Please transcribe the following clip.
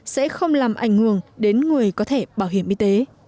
sẽ không làm ảnh hưởng đến người có thể bảo hiểm y tế